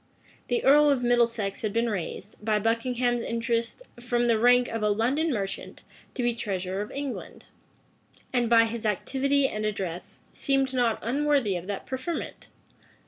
The earl of Middlesex had been raised, by Buckingham's interest, from the rank of a London merchant, to be treasurer of England; and, by his activity and address, seemed not unworthy of that preferment.